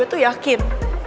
lo tuh yakin